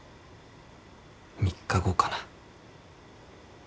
３日後かな。